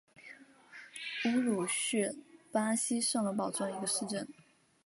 乌鲁是巴西圣保罗州的一个市镇。